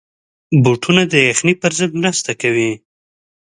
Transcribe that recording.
بوټونه د یخنۍ پر ضد مرسته کوي.